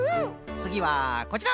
つぎはこちら！